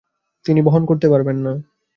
তিনি বহন করতে পারবেন না।